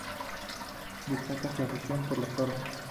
Destaca su afición por los toros.